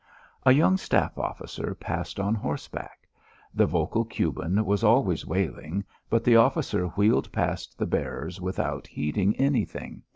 A young staff officer passed on horseback. The vocal Cuban was always wailing, but the officer wheeled past the bearers without heeding anything.